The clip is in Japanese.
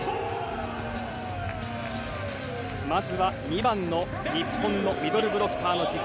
まずは２番の日本のミドルブロッカーの軸